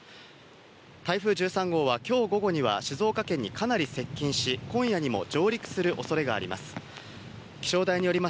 台風１３号はきょう午後には静岡県にかなり接近し、今夜にも上陸する恐れがあります。